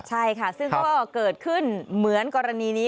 ใช่ค่ะซึ่งก็เกิดขึ้นเหมือนกรณีนี้